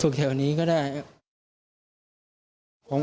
ลูกนั่นแหละที่เป็นคนผิดที่ทำแบบนี้